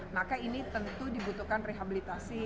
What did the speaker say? maka ini tentu dibutuhkan rehabilitasi